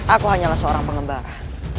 aku hanyalah seorang pengembara